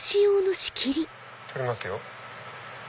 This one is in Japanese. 取りますよ。